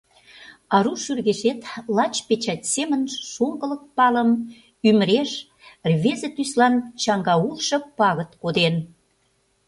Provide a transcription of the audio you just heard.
Ару шӱргешет лач печать семын шоҥгылык палым ӱмыреш рвезе тӱслан чаҥга улшо пагыт коден.